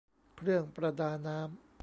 เครื่องประดาน้ำ